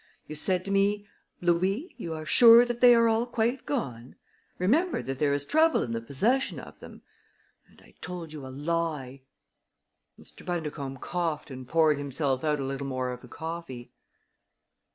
You said to me: 'Louis, you are sure that they are all quite gone? Remember that there is trouble in the possession of them!' And I told you a lie!" Mr. Bundercombe coughed and poured himself out a little more of the coffee.